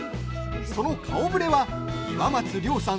その顔ぶれは、岩松了さん